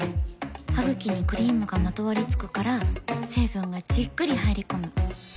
ハグキにクリームがまとわりつくから成分がじっくり入り込む。